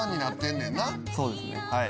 そうですね。